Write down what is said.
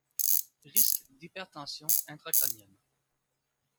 Risque d'hypertension intra-crânienne.